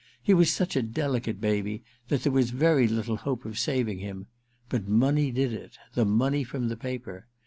He was such a delicate baby that there was very little hope of saving him. But money did it — the money from the paper.